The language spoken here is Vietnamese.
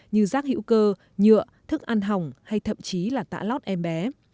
như rác hữu cơ nhựa thức ăn hồng hay thậm chí là tạ lót em bé